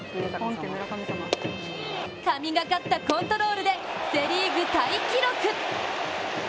神懸かったコントロールでセ・リーグタイ記録。